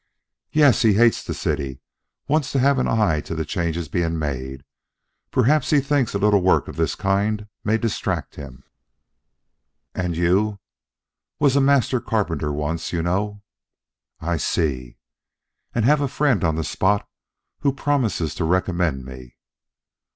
"Yes. He hates the city. Wants to have an eye to the changes being made. Perhaps he thinks a little work of this kind may distract him." "And you?" "Was a master carpenter once, you know." "I see." "And have a friend on the spot who promises to recommend me."